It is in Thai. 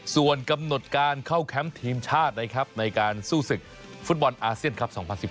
ส่วนกำหนดการเข้าแคมป์ทีมชาตินะครับในการสู้ศึกฟุตบอลอาเซียนครับ๒๐๑๘